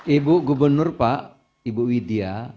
ibu gubernur pak ibu widya